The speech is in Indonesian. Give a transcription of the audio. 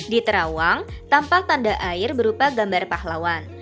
di terawang tampak tanda air berupa gambar pahlawan